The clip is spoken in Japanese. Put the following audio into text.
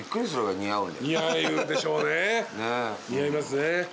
似合いますね。